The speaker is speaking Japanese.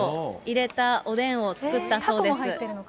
かきを入れたおでんを作ったそうです。